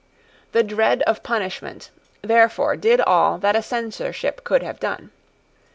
The dread of punishment therefore did all that a censorship could have done.